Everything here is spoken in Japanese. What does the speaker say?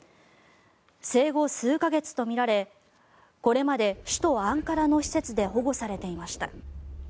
生後数か月とみられこれまで首都アンカラの施設で保護されていました。